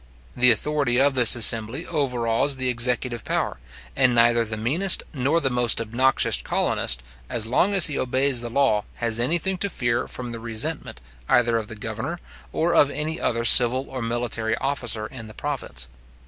The authority of this assembly overawes the executive power; and neither the meanest nor the most obnoxious colonist, as long as he obeys the law, has any thing to fear from the resentment, either of the governor, or of any other civil or military officer in the province.